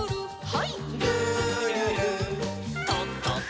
はい。